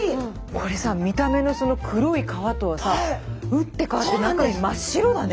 これさ見た目のその黒い皮とはさ打って変わって中身真っ白だね。